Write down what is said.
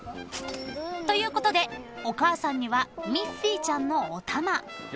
［ということでお母さんにはミッフィーちゃんのおたま］